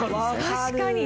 確かに。